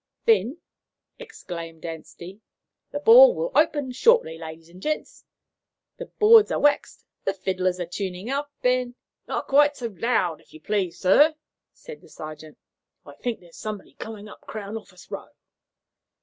"Then," exclaimed Anstey, "the ball will open shortly, ladies and gents. The boards are waxed, the fiddlers are tuning up, and " "Not quite so loud, if you please, sir," said the sergeant. "I think there is somebody coming up Crown Office Row."